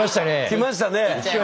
来ましたね。